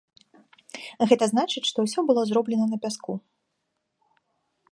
Гэта значыць, што ўсё было зроблена на пяску.